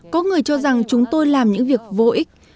có người cho rằng chúng tôi làm những việc vô ích